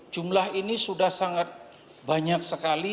jumlah ini sudah sangat banyak sekali